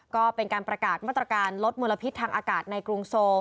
ก็เป็นการประกาศมาตรการลดมลพิษทางอากาศในกรุงโซ